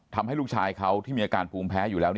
ทำให้ลูกชายเขาที่มีอาการภูมิแพ้อยู่แล้ว